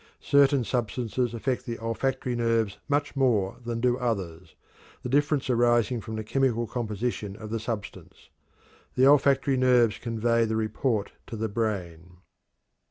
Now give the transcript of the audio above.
Certain substances affect the olfactory nerves much more than do others, the difference arising from the chemical composition of the substance. The olfactory nerves convey the report to the brain.